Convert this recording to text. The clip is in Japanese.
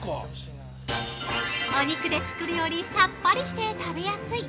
お肉で作るよりさっぱりして食べやすい！